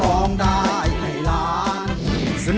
ร้องได้ให้ล้าน